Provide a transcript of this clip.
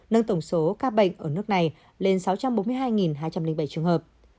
nâng tổng số ca bệnh ở nước này lên sáu trăm bốn mươi hai hai trăm linh bảy trường hợp